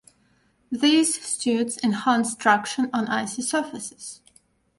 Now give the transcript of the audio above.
These studs enhance traction on icy surfaces.